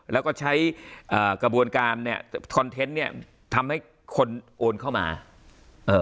เราก็ใช้อ่ากระบวนการเนี้ยเนี้ยทำให้คนโอนเข้ามาเอ่อ